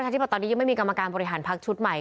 ที่ตอนนี้ยังไม่มีกรรมการบริหารพักชุดใหม่